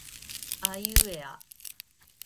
あいうえあ